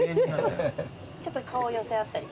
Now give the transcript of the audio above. ちょっと顔寄せ合ったり。